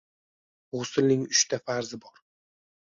G‘uslning uchta farzi bor.